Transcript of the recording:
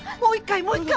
もう１回！